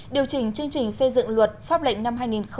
điều chỉnh chương trình xây dựng luật pháp lệnh năm hai nghìn một mươi chín